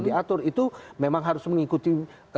diatur itu memang harus mengikuti